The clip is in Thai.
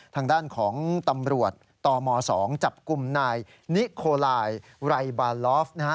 ทางด้านของตำรวจตม๒จับกลุ่มนายนิโคลายไรบาลอฟนะฮะ